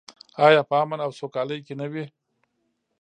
آیا په امن او سوکالۍ کې نه وي؟